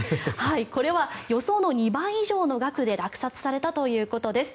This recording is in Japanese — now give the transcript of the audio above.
これは予想の２倍以上の額で落札されたということです。